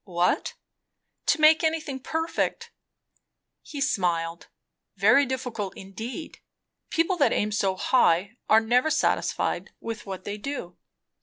"What?" "To make anything perfect." He smiled. "Very difficult indeed. People that aim so high are never satisfied with what they do."